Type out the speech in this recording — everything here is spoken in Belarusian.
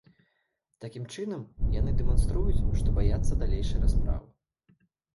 Такім чынам, яны дэманструюць, што баяцца далейшай расправы.